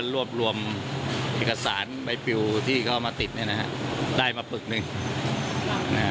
รวบรวมเอกสารใบปิวที่เขามาติดได้มาปึกหนึ่ง